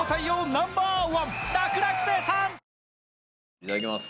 いただきます。